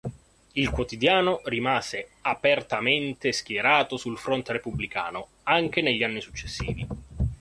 Il quotidiano rimase apertamente schierato sul fronte repubblicano anche negli anni successivi.